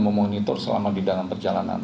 memonitor selama di dalam perjalanan